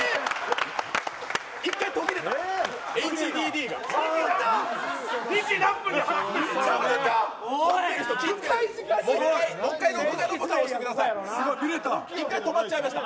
１回、途切れた。